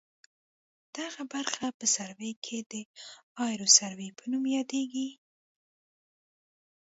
دغه برخه په سروې کې د ایروسروې په نوم یادیږي